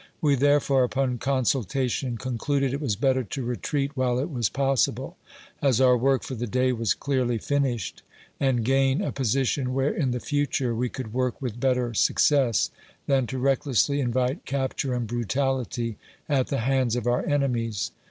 "We therefore, upon consul tation, concluded it was better to retreat while it was possi ble, as our work for the day was clearly finished, and gain a position where in the future we could work with better suc cess, than to recklessly invite capture and brutality at the hands of our enemies.